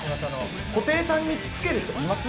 布袋さんにつつける人います？